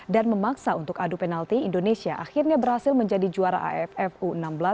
dan memaksa untuk adu penalti indonesia akhirnya berhasil menjadi juara afu enam belas dua ribu delapan belas